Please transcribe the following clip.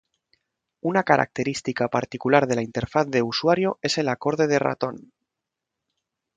Una característica particular de la interfaz de usuario es el acorde de ratón.